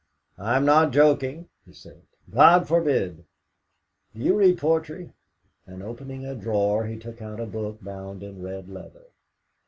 "I'm not joking," he said. "God forbid! Do you read poetry?" And opening a drawer, he took out a book bound in red leather.